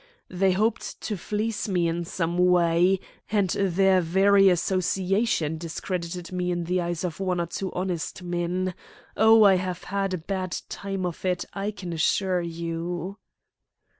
They hoped to fleece me in some way, and their very association discredited me in the eyes of one or two honest men. Oh, I have had a bad time of it, I can assure you!"